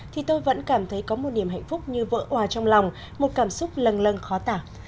thì tôi vẫn cảm thấy có một niềm hạnh phúc như vỡ hoà trong lòng một cảm xúc lần lần khó tả